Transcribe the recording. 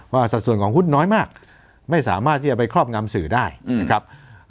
สัดส่วนของหุ้นน้อยมากไม่สามารถที่จะไปครอบงำสื่อได้นะครับ